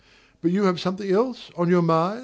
But you have something else on your mind?